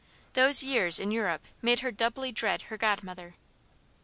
Those years in Europe made her doubly dread her godmother.